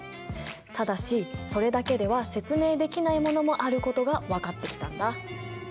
ただしそれだけでは説明できないものもあることが分かってきたんだ。